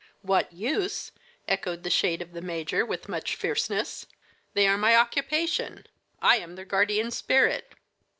"What use?" echoed the shade of the major, with much fierceness. "They are my occupation. I am their guardian spirit."